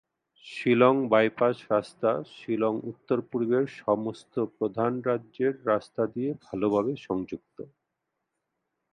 Shillong bypass রাস্তা শিলং উত্তর-পূর্বের সমস্ত প্রধান রাজ্যের সাথে রাস্তা দিয়ে ভালভাবে সংযুক্ত।